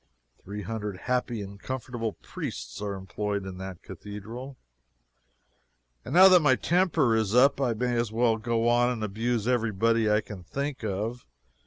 Three hundred happy, comfortable priests are employed in that Cathedral. And now that my temper is up, I may as well go on and abuse every body I can think of.